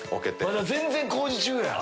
まだ全然工事中やん！